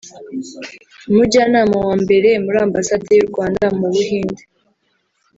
umujyanama wa mbere muri Ambasade y’u Rwanda mu Buhindi